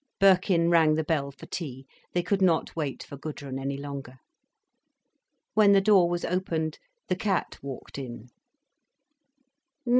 Birkin rang the bell for tea. They could not wait for Gudrun any longer. When the door was opened, the cat walked in.